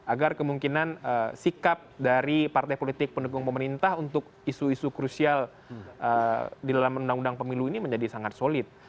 agar kemungkinan sikap dari partai politik pendukung pemerintah untuk isu isu krusial di dalam undang undang pemilu ini menjadi sangat solid